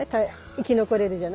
生き残れるじゃない。